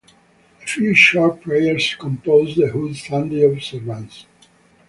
A few short prayers compose the whole Sunday observance.